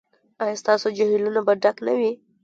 ایا ستاسو جهیلونه به ډک نه وي؟